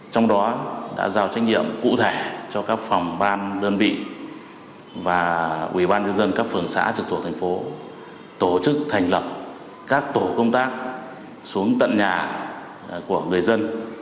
trong đó đã giao trách nhiệm cụ thể cho các phòng ban đơn vị và ủy ban nhân dân các phường xã trực thuộc thành phố tổ chức thành lập các tổ công tác xuống tận nhà của người dân